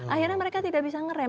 akhirnya mereka tidak bisa ngerem